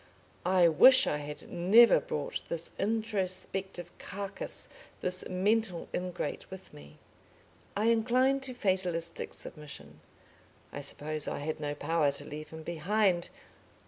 I wish I had never brought this introspective carcass, this mental ingrate, with me. I incline to fatalistic submission. I suppose I had no power to leave him behind....